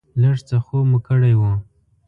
لږ څه خوب مو کړی و.